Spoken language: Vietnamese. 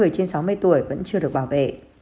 hơn sáu mươi tuổi vẫn chưa được bảo vệ